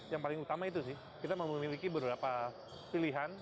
yang paling utama itu sih kita memiliki beberapa pilihan